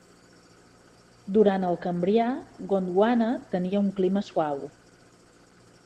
Durant el Cambrià, Gondwana tenia un clima suau.